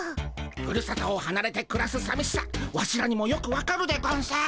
ふるさとをはなれてくらすさみしさワシらにもよくわかるでゴンス。